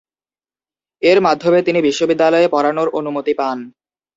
এর মাধ্যমে তিনি বিশ্ববিদ্যালয়ে পড়ানোর অনুমতি পান।